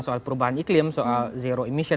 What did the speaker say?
soal perubahan iklim soal zero emission